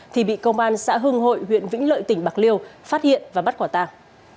thì bị công an xã hưng hội huyện vĩnh lợi tỉnh bạc liêu phát hiện và bắt quả tàng